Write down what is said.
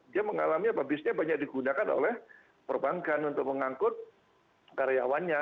dia mengalami apa bisnya banyak digunakan oleh perbankan untuk mengangkut karyawannya